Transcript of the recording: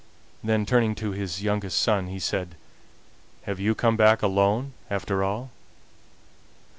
Then turning to his youngest son he said: "Have you come back alone, after all?"